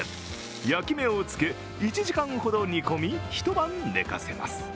焼き目をつけ、１時間ほど煮込み一晩寝かせます。